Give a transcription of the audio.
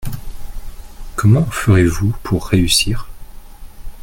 Comment ferez-vous pour réussir ?